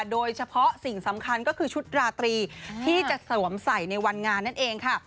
โดยเฉพาะสิ่งสำคัญก็คือชุดราตรีที่จะสวมใส่ในวันงานนั่นเองค่ะ